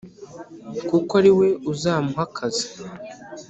kuko ari we uzamuha akazi